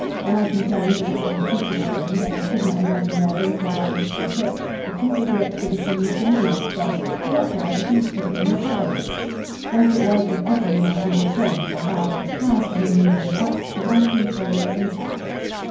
When I complained, as happened pretty often, that I could not imagine where this or that was to be put, the Chief of the expedition used generally to say: "Oh, that's all right; you can just put it in your cabin!" Thus it was with every imaginable thing from barrels of paraffin and new born pups to writing materials and charts.